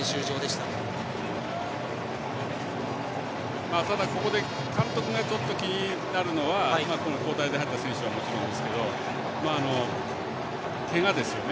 ただ、監督が気になるのは交代で入った選手はもちろんですけどけがですよね。